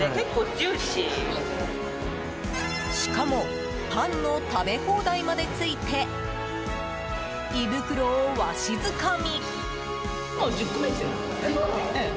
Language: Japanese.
しかもパンの食べ放題までついて胃袋をわしづかみ！